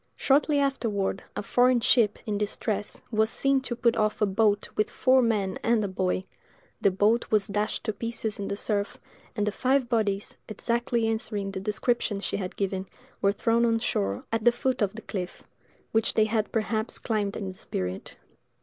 Shortly afterward, a foreign ship, in distress, was seen to put off a boat with four men and a boy: the boat was dashed to pieces in the surf, and the five bodies, exactly answering the description she had given, were thrown on shore at the foot of the cliff, which they had perhaps climbed in the spirit!